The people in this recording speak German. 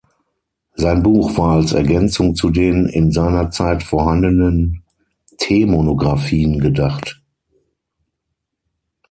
Sein Buch war als Ergänzung zu den in seiner Zeit vorhandenen Tee-Monographien gedacht.